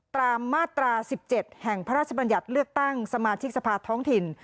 ตามมาตรา๑๗แห่งพระราชบัญญัติเลือกตั้งสมาชิกสภาท้องถิ่น